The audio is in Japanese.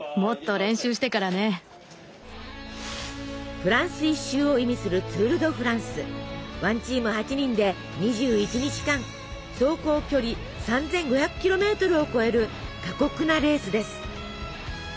「フランス一周」を意味する１チーム８人で２１日間走行距離３，５００ｋｍを超える過酷なレースです。